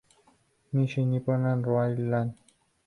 Nishi-Nippon Railroad